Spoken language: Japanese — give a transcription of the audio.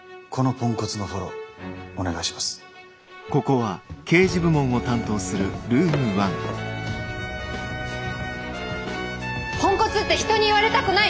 ポンコツって人に言われたくない！